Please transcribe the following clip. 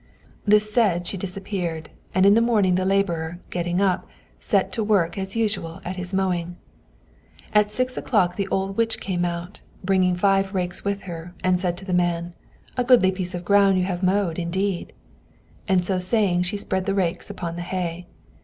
This said, she disappeared, and in the morning the laborer, getting up, set to work as usual at his mowing. At six o'clock the old witch came out, bringing five rakes with her, and said to the man, "A goodly piece of ground you have mowed, indeed!" And so saying, she spread the rakes upon the hay.